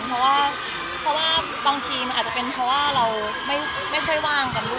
เพราะว่าบางทีมันอาจจะเป็นเพราะว่าเราไม่ค่อยวางกันด้วย